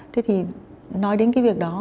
thế thì nói đến cái việc đó